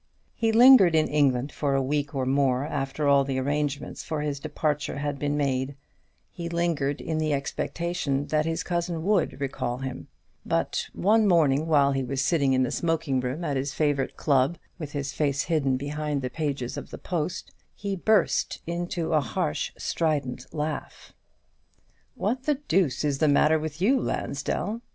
He lingered in England for a week or more after all the arrangements for his departure had been made; he lingered in the expectation that his cousin would recall him: but one morning, while he was sitting in the smoking room at his favourite club, with his face hidden behind the pages of the "Post," he burst into a harsh strident laugh. "What the deuce is the matter with you, Lansdell?"